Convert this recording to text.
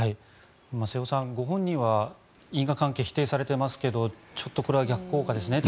瀬尾さん、ご本人は因果関係否定されてますけどちょっとこれは逆効果ですね